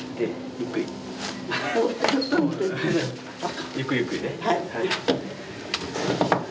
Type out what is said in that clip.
ゆっくりゆっくりね。